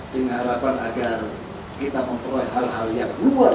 dengan harapan agar kita memperoleh hal hal yang luar biasa